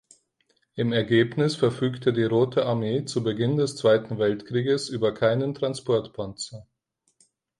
Im Ergebnis verfügte die Rote Armee zu Beginn des Zweiten Weltkrieges über keinen Transportpanzer.